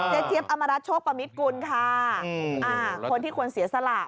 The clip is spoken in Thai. เจ๊เจ๊แจ๊บอำรัตโชคประมิดคุณค่า